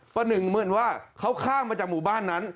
ประหนึ่งเหมือนว่าเขาข้ามมาจากหมู่บ้านนั้น